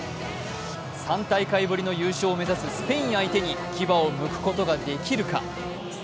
３大会ぶりの優勝を目指すスペイン相手に牙をむくことができるか。